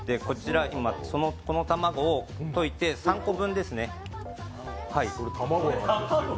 この卵をといて、３個分ですね。